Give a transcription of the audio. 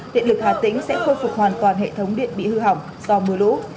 điện lực hà tĩnh sẽ khôi phục hoàn toàn hệ thống điện bị hư hỏng do mưa lũ